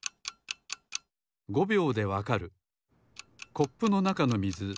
コップのなかのみず